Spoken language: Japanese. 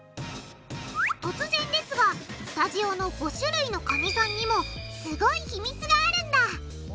突然ですがスタジオの５種類のカニさんにもすごい秘密があるんだ！